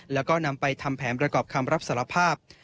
แล้วก็นำไปทำแผนประกอบคำรับสารภาพ